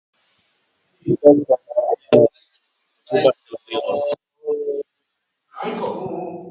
Ni-re imajinazio nahasiaren emaitza zikina baizik ez zen.